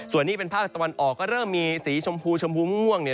ส่วนนี้เป็นภาคตะวันออกก็เริ่มมีสีชมพูชมพูม่วง